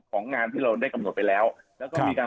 งานที่เราได้กำหนดไปแล้วแล้วก็มีการ